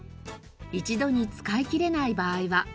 一度に使い切れない場合は。